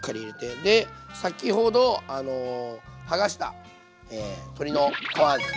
で先ほど剥がした鶏の皮ですね。